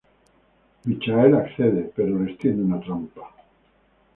Michael accede, pero les tiende una trampa.